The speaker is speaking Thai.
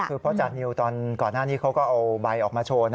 คือเพราะจานิวตอนก่อนหน้านี้เขาก็เอาใบออกมาโชว์